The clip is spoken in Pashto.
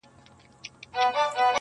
هم د لاس هم يې د سترگي نعمت هېر وو-